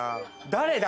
誰だ？